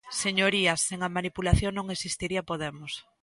Señorías, sen a manipulación non existiría Podemos.